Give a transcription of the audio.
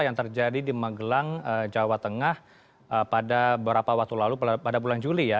yang terjadi di magelang jawa tengah pada beberapa waktu lalu pada bulan juli ya